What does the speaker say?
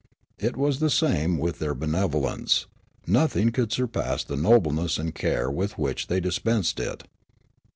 It was the same with their benevolence ; nothing could surpass the nobleness and care with which they dispensed it.